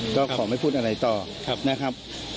ก็ขอไม่พูดอะไรต่อนะครับ